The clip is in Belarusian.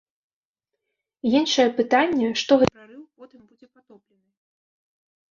Іншае пытанне, што гэты прарыў потым будзе патоплены.